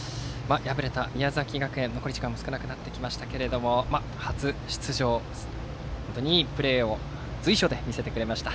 残り時間も少なくなってきましたが敗れた宮崎学園初出場で本当にいいプレーを随所で見せてくれました。